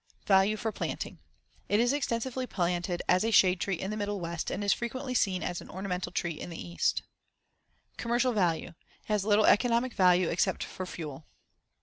Value for planting: It is extensively planted as a shade tree in the Middle West, and is frequently seen as an ornamental tree in the East. Commercial value: It has little economic value except for fuel.